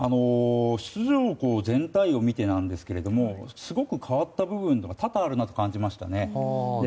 出場校全体を見てなんですけどもすごく変わった部分が多々あるなと感じましたね。